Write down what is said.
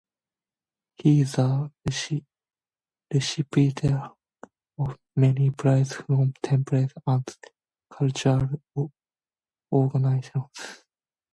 He is the recipient of many prizes from temples and cultural organisations.